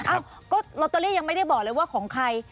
เอ้าก็ลอตเตอรี่ยังไม่ได้บอกเลยว่าของใคร